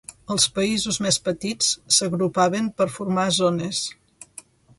Els països més petits s'agrupaven per formar zones.